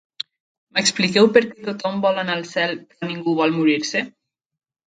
M'expliqueu per què tothom vol anar al cel però ningú vol morir-se?